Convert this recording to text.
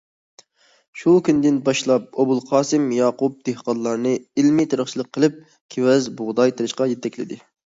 شۇ كۈنىدىن باشلاپ ئوبۇلقاسىم ياقۇپ دېھقانلارنى ئىلمىي تېرىقچىلىق قىلىپ، كېۋەز، بۇغداي تېرىشقا يېتەكلىدى.